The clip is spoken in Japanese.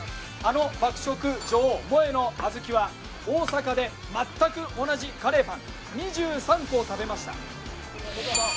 あの爆食女王もえのあずきは大阪でまったく同じカレーパン２３個を食べました。